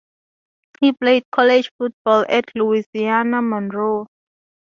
He played college football at Louisiana–Monroe.